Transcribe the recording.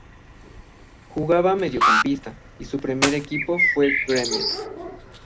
Jugaba de mediocampista y su primer equipo fue el Grêmio.